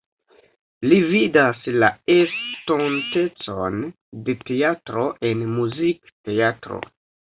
Li vidas la estontecon de teatro en muzikteatro.